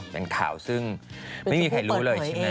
เป็นข่าวซึ่งไม่มีใครรู้เลย